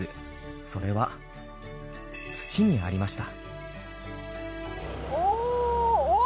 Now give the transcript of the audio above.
それは土にありました。